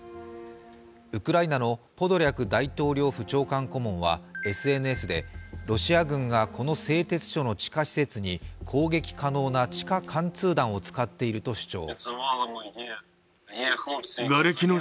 ウクライナのポドリャク大統領府長官顧問は、ＳＮＳでロシア軍がこの製鉄所の地下施設に攻撃可能な地下貫通弾を使っていると主張。